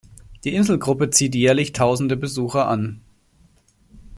Die Inselgruppe zieht jährlich tausende Besucher an.